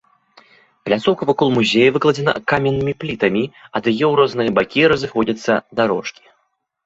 Пляцоўка вакол музея выкладзена каменнымі плітамі, ад яе ў розныя бакі разыходзяцца дарожкі.